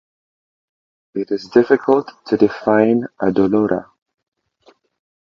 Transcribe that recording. It is difficult to define a dolora.